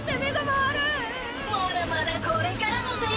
まだまだこれからだぜ！